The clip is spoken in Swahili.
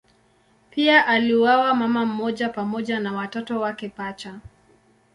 Pia aliuawa mama mmoja pamoja na watoto wake pacha.